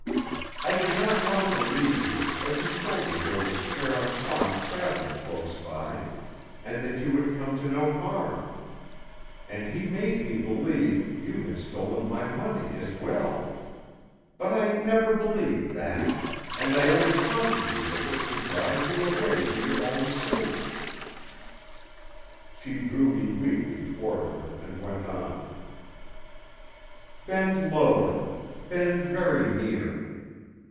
I did not want to leave you, but he told me there was Père Antoine's cabin close by, and that you would come to no harm. And he made me believe you had stolen my money as well. But I never believed that, and I only taunted you with it to drive you away for your own sake." She drew me weakly toward her and went on: "Bend lower. Bend very near.